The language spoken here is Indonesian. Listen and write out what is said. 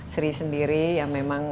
sri sendiri ya memang